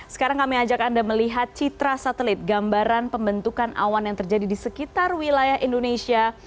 sekarang kami ajak anda melihat citra satelit gambaran pembentukan awan yang terjadi di sekitar wilayah indonesia